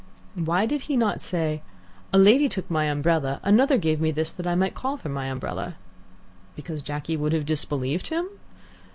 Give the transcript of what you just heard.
Why did he not say, "A lady took my umbrella, another gave me this that I might call for my umbrella"? Because Jacky would have disbelieved him?